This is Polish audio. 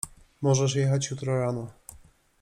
Możesz jechać jutro rano.